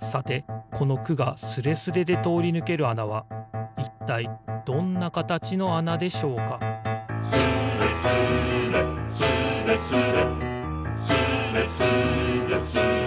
さてこの「く」がスレスレでとおりぬけるあなはいったいどんなかたちのあなでしょうか「スレスレスレスレ」「スレスレスーレスレ」